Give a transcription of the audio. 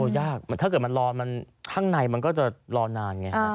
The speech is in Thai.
โอ้โหยากถ้าเกิดมันรอนข้างในมันก็จะรอนนานไง